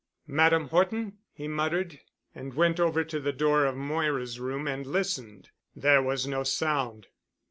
"Madame Horton?" he muttered, and went over to the door of Moira's room and listened. There was no sound.